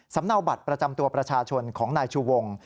เนาบัตรประจำตัวประชาชนของนายชูวง